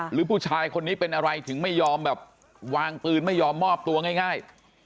หรือผู้ชายคนนี้เป็นอะไรถึงไม่ยอมแบบวางปืนไม่ยอมมอบตัวง่าย